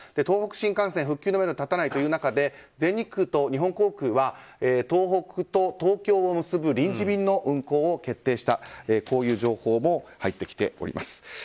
東北新幹線、復旧のめどが立たない中で全日空と日本航空は東北と東京を結ぶ臨時便の運航を決定したという情報も入ってきております。